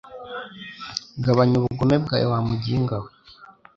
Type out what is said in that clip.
gabanya ubugome bwawe wa muginga we